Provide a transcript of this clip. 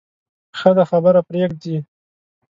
ښه ده خبره پرېږدې.